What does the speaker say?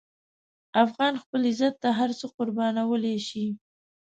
افغان خپل عزت ته هر څه قربانولی شي.